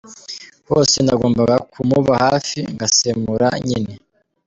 hose nagombaga ku muba hafi ngasemura nyine !